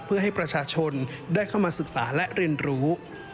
เพื่อให้ประชาชนได้เข้ามาศึกษาและเรียนรู้